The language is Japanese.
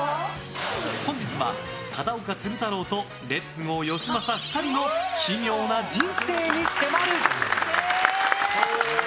本日は、片岡鶴太郎とレッツゴーよしまさ２人の奇妙な人生に迫る！